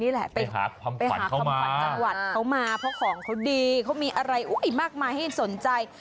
ไปหาคำขวัญเข้ามาเพราะของเขาดีเขามีอะไรอีกมากมาให้สนใจ